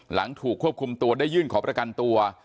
หลังถูกควบคุมตัวได้ยื่นขอประกันตัว